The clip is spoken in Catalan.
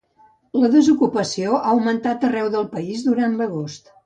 La desocupació ha augmentat arreu del país durant l’agost.